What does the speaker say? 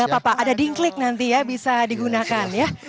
apa apa ada dingklik nanti ya bisa digunakan ya